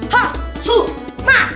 hah su ma